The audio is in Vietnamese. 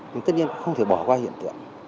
nhưng tất nhiên không thể bỏ qua hiện tượng